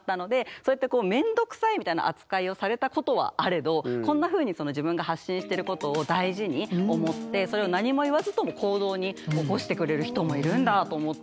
そうやって面倒くさいみたいな扱いをされたことはあれどこんなふうにそれを何も言わずとも行動に起こしてくれる人もいるんだと思って。